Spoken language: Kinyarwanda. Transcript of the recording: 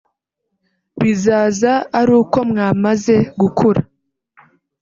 bizaza ari uko mwamaze gukura